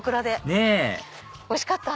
ねぇおいしかった！